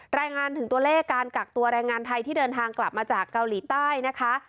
รายงานถึงตัวเลขการกักตัวแรงงานไทยที่เดินทางกลับมาจากเกาหลีใต้นะคะ